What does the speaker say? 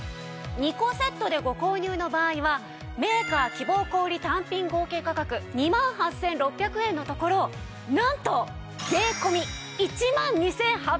２個セットでご購入の場合はメーカー希望小売単品合計価格２万８６００円のところなんと税込１万２８００円です。